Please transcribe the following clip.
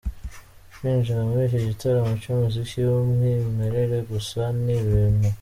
Kwinjira muri iki gitaramo cy’umuziki w’umwimerere gusa ni ubuntu.